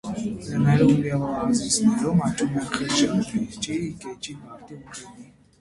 Լեռներում և օազիսներում աճում են խեժափիճի, կեչի, բարդի, ուռենի։